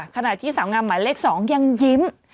ขณะที่สาวงามหมายเลข๒ยังยิ้ม